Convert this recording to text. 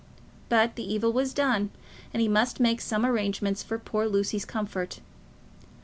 But the evil was done, and he must make some arrangement for poor Lucy's comfort.